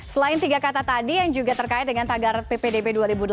selain tiga kata tadi yang juga terkait dengan tagar ppdb dua ribu delapan belas